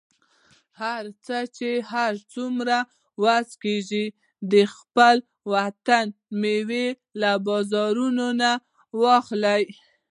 د هر چا هر څومره وسه کیږي، د خپل وطن میوه له بازارونو واخلئ